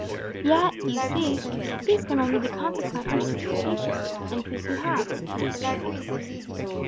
"Yet, you see, peace can only be consequent on justification. And peace you have."